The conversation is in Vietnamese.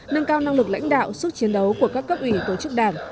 nâng cao năng lực lãnh đạo sức chiến đấu của các cấp ủy tổ chức đảng